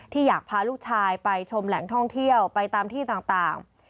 อยากพาลูกชายไปชมแหล่งท่องเที่ยวไปตามที่ต่าง